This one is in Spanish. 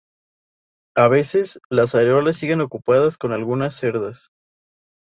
A veces, las areolas siguen ocupadas con algunas cerdas.